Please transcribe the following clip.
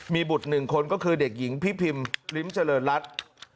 มีบุตร๑คนก็คือเด็กหญิงพิพิมลิ้มเจริญรัฐ